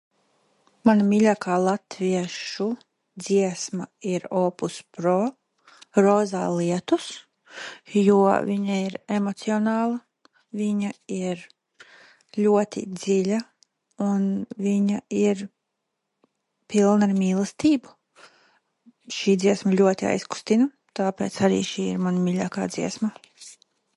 "Mana mīlākā latviešu dziesma ir Opus Pro ""Rozā lietus"", jo viņa ir emocionāla, viņa ir ļoti dziļa, un viņa ir pilna ar mīlestību. Šī dziesma ļoti aizkustina, tāpēc arī šī ir mana mīļākā dziesma."